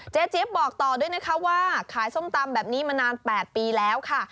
เจเจี๊ยบบอกต่อด้วยนะคะว่าขายส้มตำแบบนี้มานาน๘ปีแล้วค่ะ